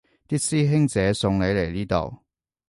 啲師兄姐送你嚟呢度